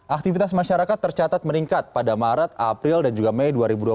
aktivitas masyarakat tercatat meningkat pada maret april dan juga mei dua ribu dua puluh